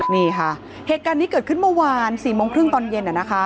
นี่ค่ะเหตุการณ์นี้เกิดขึ้นเมื่อวาน๔โมงครึ่งตอนเย็น